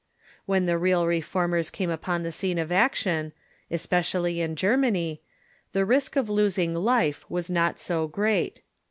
When the real Reformers came upon the scene of action, es pecially in Germany, the risk of losing life was not so great.